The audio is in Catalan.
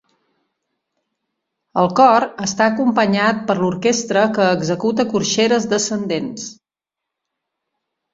El cor està acompanyat per l'orquestra que executa corxeres descendents.